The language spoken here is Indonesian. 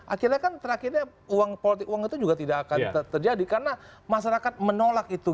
akhirnya kan terakhirnya uang politik uang itu juga tidak akan terjadi karena masyarakat menolak itu